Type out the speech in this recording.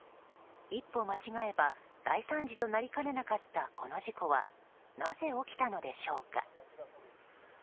一歩間違えば大惨事となりかねなかったこの事故はなぜ起きたのでしょうか。